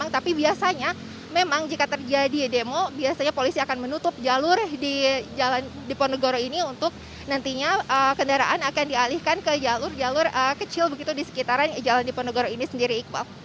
tapi biasanya memang jika terjadi demo biasanya polisi akan menutup jalur di jalan diponegoro ini untuk nantinya kendaraan akan dialihkan ke jalur jalur kecil begitu di sekitaran jalan diponegoro ini sendiri iqbal